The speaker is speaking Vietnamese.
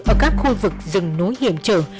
ở các khu vực rừng núi hiểm trở